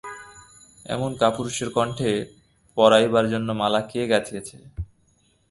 এমন কাপুরুষের কণ্ঠে পরাইবার জন্য মালা কে গাঁথিয়াছে।